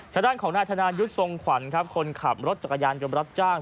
ทางด้านของนายธนายุทธ์ทรงขวัญครับคนขับรถจักรยานยนต์รับจ้าง